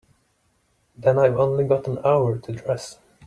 Then I've only got an hour to dress.